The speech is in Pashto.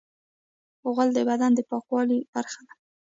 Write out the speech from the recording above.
غول د بدن د پاکوالي برخه ده.